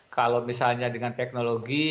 kalau misalnya dengan teknologi